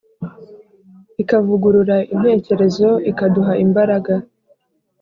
ikavugurura intekerezo ikaduha imbaraga